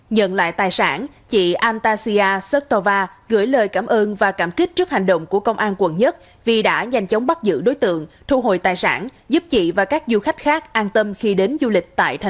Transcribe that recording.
nhận lại tài sản chị antasia sotova gửi lời cảm ơn và cảm kích trước hành động của công an quận một vì đã nhanh chóng bắt giữ đối tượng thu hồi tài sản giúp chị và các du khách khác an tâm khi đến du lịch tại tp hcm